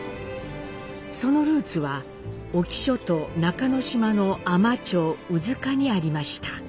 そのルーツは隠岐諸島中ノ島の海士町宇受賀にありました。